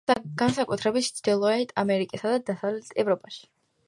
განსაკუთრებით ჩრდილოეთ ამერიკასა და დასავლეთ ევროპაში.